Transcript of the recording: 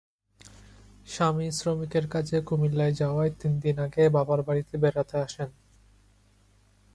স্বামী শ্রমিকের কাজে কুমিল্লায় যাওয়ায় তিন দিন আগে বাবার বাড়িতে বেড়াতে আসেন।